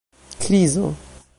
krizo